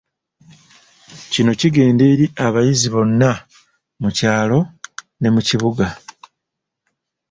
Kino kigenda eri abayizi bonna mukyalo ne mu kibuga.